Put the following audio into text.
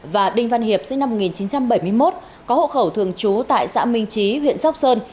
và đinh văn hiệp sinh năm một nghìn chín trăm bảy mươi một có hộ khẩu thường trú tại xã minh trí huyện sóc sơn